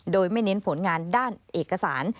โดยไม่เน้นผลงานด้านเอกสาร